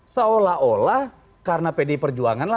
seolah olah karena pdi perjuangan